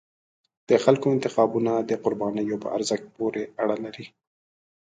د خلکو انتخابونه د قربانیو په ارزښت پورې اړه لري